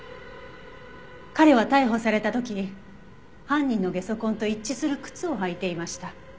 彼は逮捕された時犯人のゲソ痕と一致する靴を履いていました。